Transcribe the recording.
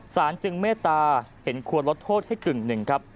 สารจึงเมตตาเห็นควรลดโทษให้กึ่งหนึ่งครับ